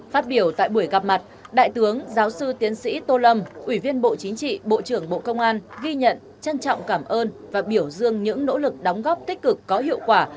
phát biểu tại buổi gặp mặt đại tướng giáo sư tiến sĩ tô lâm ủy viên bộ chính trị bộ trưởng bộ công an ghi nhận trân trọng cảm ơn và biểu dương những nỗ lực đóng góp tích cực có hiệu quả